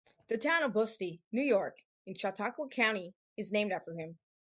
The Town of Busti, New York in Chautauqua County is named after him.